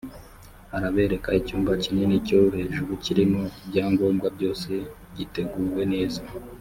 arabereka icyumba kinini cyo hejuru kirimo ibyangombwa byose giteguwe neza